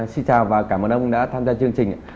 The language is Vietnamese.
xin chào và cảm ơn ông đã tham gia chương trình